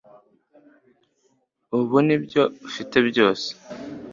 Ubu ni ibyo ufite byose.